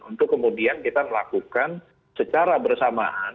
untuk kemudian kita melakukan secara bersamaan